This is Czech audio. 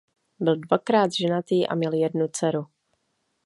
Byl dvakrát ženatý a měl jednu dceru.